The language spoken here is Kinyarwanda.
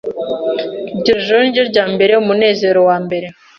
Iryo joro niryo ryambereye umunezero wa mbere